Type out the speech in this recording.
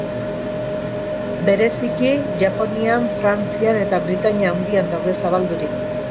Bereziki, Japonian, Frantzian eta Britainia Handian daude zabaldurik.